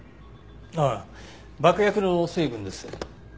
ああ爆薬の成分です。